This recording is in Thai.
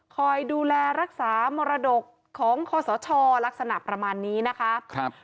คอยดูแลรักษามรดกของคอสชลักษณะประมาณนี้นะคะ